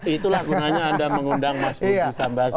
itulah gunanya anda mengundang mas bung sam basi